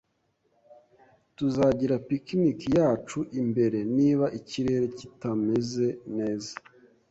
Tuzagira picnic yacu imbere niba ikirere kitameze neza